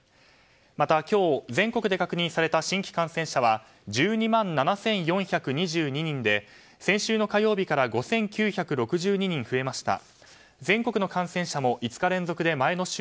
また今日、全国で確認された新規感染者は１２万７４２２人で先週の火曜日から５９６２人増えました。